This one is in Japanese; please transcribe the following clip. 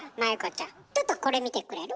ちょっとこれ見てくれる？